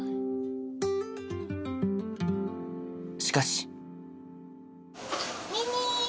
しかし。